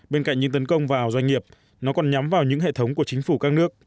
bên cạnh những tấn công vào doanh nghiệp nó còn nhắm vào những hệ thống của chính phủ các nước